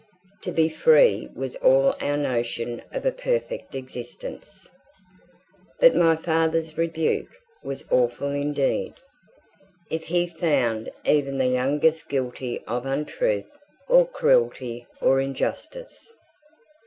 To be free was all our notion of a perfect existence. But my father's rebuke was awful indeed, if he found even the youngest guilty of untruth, or cruelty, or injustice.